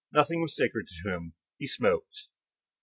Nothing was sacred to him; he smoked.